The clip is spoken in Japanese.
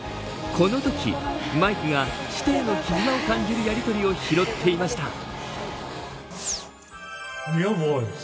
このとき、マイクが師弟の絆を感じるやりとりを拾っていました。